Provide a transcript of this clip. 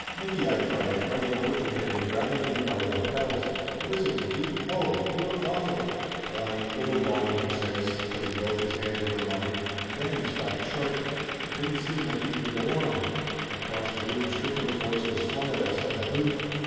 "Nicky !" I cried, running over to him and grabbing him by the lapels. "What is it, Nicky? Oh! You look awful!" "Bonnie, little Bonnie!" he says, putting both his hands over mine. Then he stopped short. It didn't seem like he could go on. Across the room Strick land's voice was flung at us like a hoot.